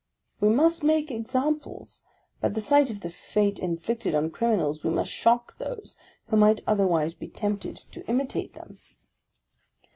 " We must make examples. By the sight of the fate inflicted on criminals, we must shock those who might otherwise bo tempted to imitate them